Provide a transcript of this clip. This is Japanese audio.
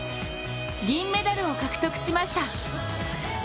銀メダルを獲得しました。